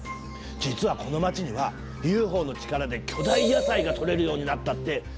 実はこの街にはＵＦＯの力で巨大野菜が採れるようになったってうわさまであるんだ。